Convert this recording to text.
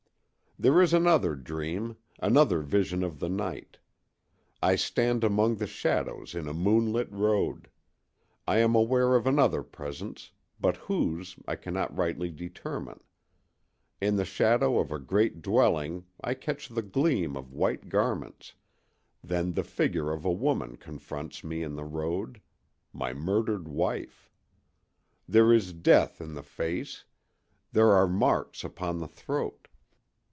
There is another dream, another vision of the night. I stand among the shadows in a moonlit road. I am aware of another presence, but whose I cannot rightly determine. In the shadow of a great dwelling I catch the gleam of white garments; then the figure of a woman confronts me in the road—my murdered wife! There is death in the face; there are marks upon the throat.